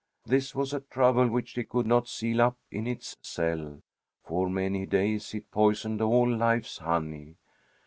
This was a trouble which she could not seal up in its cell, and for many days it poisoned all life's honey.